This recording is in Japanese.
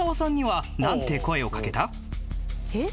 えっ？